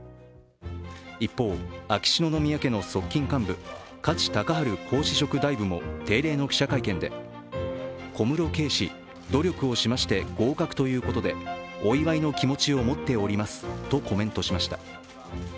一方、秋篠宮家の側近幹部加地隆治皇嗣職大夫も定例の記者会見で小室圭氏、努力をしまして合格ということでお祝いの気持ちを持っておりますとコメントしました。